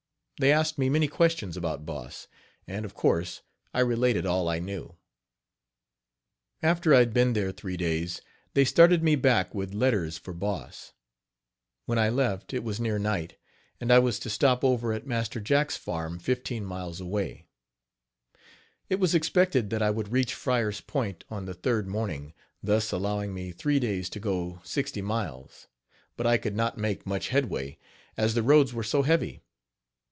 They asked me many questions about Boss, and, of course, I related all I knew. After I had been there three days, they started me back with letters for Boss. When I left it was near night, and I was to stop over at Master Jack's farm fifteen miles away. It was expected that I would reach Fryer's Point on the third morning, thus allowing me three days to go sixty miles; but I could not make much headway, as the roads were so heavy.